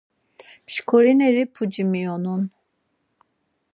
Mşkorineri puci miyonun.